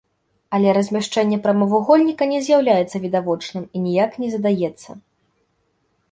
Але размяшчэнне прамавугольніка не з'яўляецца відавочным і ніяк не задаецца.